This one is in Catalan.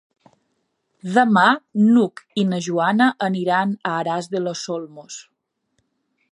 Demà n'Hug i na Joana aniran a Aras de los Olmos.